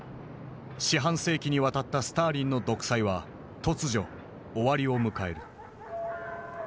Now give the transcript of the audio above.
四半世紀にわたったスターリンの独裁は突如終わりを迎える。